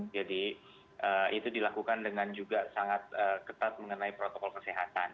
jadi itu dilakukan dengan juga sangat ketat mengenai protokol kesehatan